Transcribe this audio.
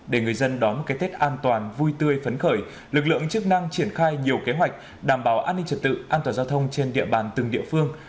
để người dân đón một cái tết an toàn vui tươi phấn khởi lực lượng chức năng triển khai nhiều kế hoạch đảm bảo an ninh trật tự an toàn giao thông trên địa bàn từng địa phương